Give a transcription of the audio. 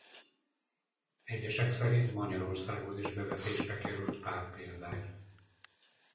Egyesek szerint Magyarországon is bevetésre került pár példány.